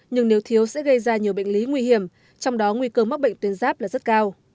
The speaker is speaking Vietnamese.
nhưng nếu thiếu sẽ gây ra nhiều bệnh lý nguy hiểm trong đó nguy cơ mắc bệnh tuyến giáp là rất cao